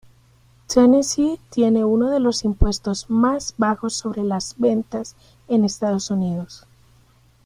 Tennessee tiene uno de los impuestos más bajos sobre las ventas en Estados Unidos.